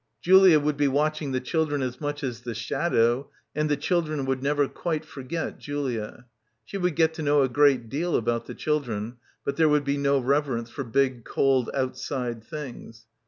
Julia would be watching the children as much as the shadow, — 273 — PILGRIMAGE and the children would never quite forget Julia. She would get to know a great deal about the chil dren, but there would be no reverence for big cold outside things.